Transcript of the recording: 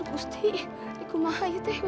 aduh gusti kumaha itu